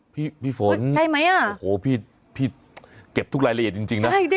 พี่พี่ฝนโอ้โหพี่เก็บทุกรายละเอียดจริงนะ